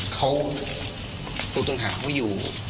เขาผู้ต้องหาเขาอยู่